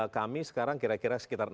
kami sekarang kira kira sekitar enam puluh an